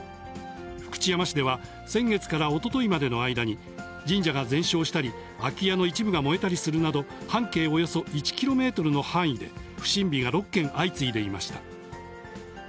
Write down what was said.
福知山市では、先月からおとといまでの間に、神社が全焼したり、空き家の一部が燃えたりするなど、半径およそ１キロメートルの範囲で不審火が６件相次いでいました。